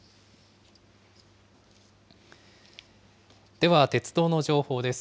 では、鉄道の情報です。